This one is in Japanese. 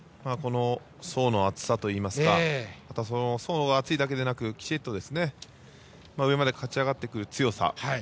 層の厚さといいますかまた、層が厚いだけでなくきちっと上まで勝ち上がってくる強さ。